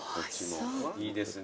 いいですね。